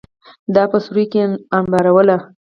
دا په سوریو کې انبارول.